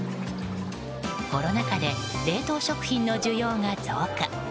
コロナ禍で冷凍食品の需要が増加。